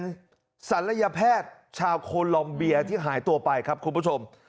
ศัลยแพทย์ชาวโคลอมเบียที่หายตัวไปครับคุณผู้ชม